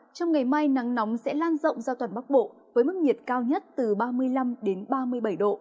trong ngày mai nắng nóng sẽ lan rộng ra toàn bắc bộ với mức nhiệt cao nhất từ ba mươi năm đến ba mươi bảy độ